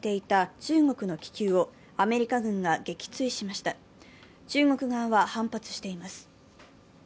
中国側は反発しています。